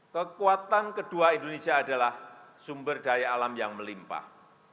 kekuatan kedua indonesia adalah sumber daya alam yang melimpah